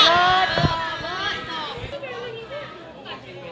โอเคค่ะ